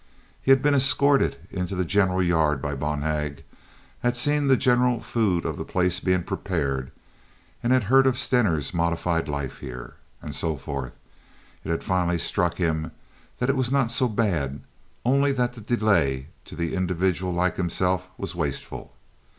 He had been escorted into the general yard by Bonhag, had seen the general food of the place being prepared, had heard of Stener's modified life here, and so forth. It had finally struck him that it was not so bad, only that the delay to an individual like himself was wasteful.